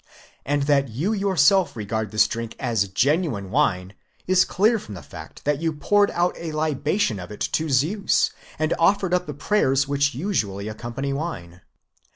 And. that you yourself regard this drink as genuine wine, is clear from the fact that you poured out a libation of it to Zeus and offered up the prayers which usually accompany wine.